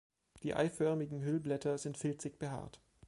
Die eiförmigen Hüllblätter sind filzig behaart.